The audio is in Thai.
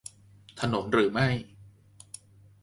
ถนนหรือไม่